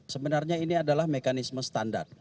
sebenarnya ini adalah mekanisme standar